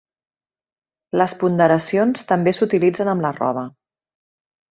Les ponderacions també s'utilitzen amb la roba.